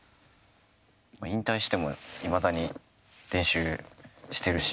引退してもいまだに練習してるし。